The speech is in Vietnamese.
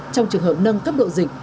trong trường hợp nâng cấp độ dịch